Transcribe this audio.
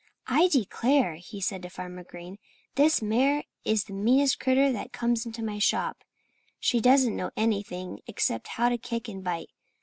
"I declare," he said to Farmer Green, "this mare is the meanest critter that comes into my shop. She doesn't know anything except how to kick and bite.